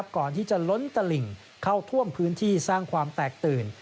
ก่อนที่จะล้นตลิ่งเข้าท่วมพื้นที่สร้างความแตกตื่น